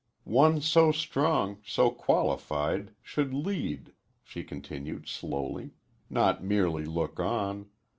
"One so strong so qualified should lead," she continued slowly, "not merely look on.